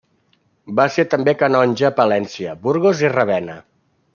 Va ser també canonge a Palència, Burgos i Ravenna.